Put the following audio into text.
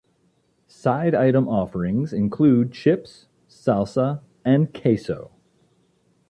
Side item offerings include chips, salsa, and queso.